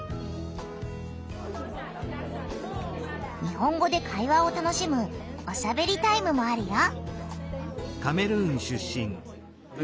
日本語で会話を楽しむ「おしゃべりタイム」もあるよ。